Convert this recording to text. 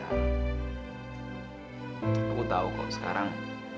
aku tahu kok sekarang